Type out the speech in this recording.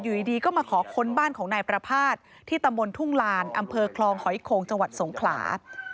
อยู่ดีก็มาขอค้นบ้านของนายประภาษณ์ที่ตำบลทุ่งลานอำเภอคลองหอยโขงจังหวัดสงขลา